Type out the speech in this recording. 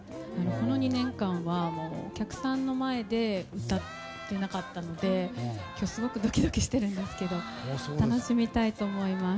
この２年間は、お客さんの前で歌ってなかったので今日、すごくドキドキしてるんですけど楽しみたいと思います。